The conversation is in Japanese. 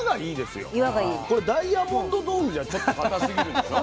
これダイヤモンド豆腐じゃちょっと固すぎるでしょ。